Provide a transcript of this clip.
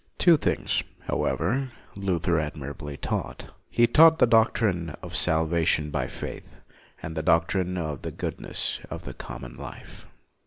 Two things, however, Luther admirably taught. He taught the doctrine of salva tion by faith, and the doctrine of the goodness of the common life.